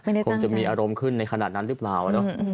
คงจะมีอารมณ์ขึ้นในขณะนั้นหรือเปล่าเนอะ